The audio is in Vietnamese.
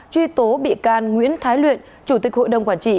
truy tố bị can nguyễn thái luyện chủ tịch hội đồng quản trị